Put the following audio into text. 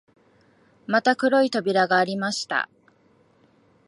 また黒い扉がありました